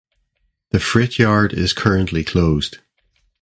The freight yard is currently closed.